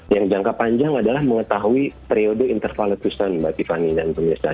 yang jangka panjang adalah mengetahui periode intervaletusan bagi panggilan perusahaan